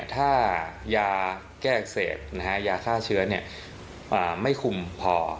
ถ้ายาแก้อักเสบยาฆ่าเชื้อไม่คุมพอ